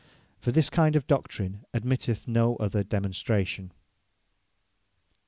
For this kind of Doctrine, admitteth no other Demonstration.